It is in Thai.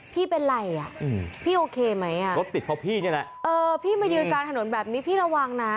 ไม่เป็นไรอ่ะพี่โอเคไหมอ่ะรถติดเพราะพี่นี่แหละเออพี่มายืนกลางถนนแบบนี้พี่ระวังนะ